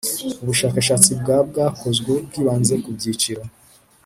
Ubushakashatsi bwa bwakozwe bwibanze ku byiciro